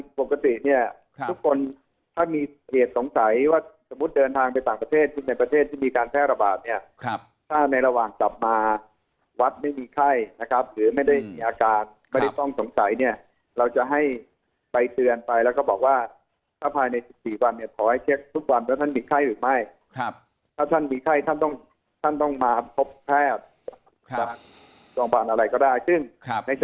ขอมูลของการสร้างข้อมูลของการสร้างข้อมูลของการสร้างข้อมูลของการสร้างข้อมูลของการสร้างข้อมูลของการสร้างข้อมูลของการสร้างข้อมูลของการสร้างข้อมูลของการสร้างข้อมูลของการสร้างข้อมูลของการสร้างข้อมูลของการสร้างข้อมูลของการสร้างข้อมูลของการสร้างข้อมูลของการสร้างข้อมูลของการสร